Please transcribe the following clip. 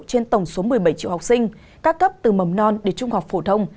trên tổng số một mươi bảy triệu học sinh các cấp từ mầm non đến trung học phổ thông